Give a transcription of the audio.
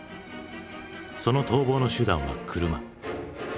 その逃亡の手段は車。